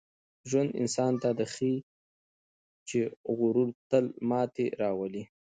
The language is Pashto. ژوند انسان ته دا ښيي چي غرور تل ماتې راولي.